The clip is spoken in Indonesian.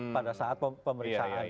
pada saat pemeriksaan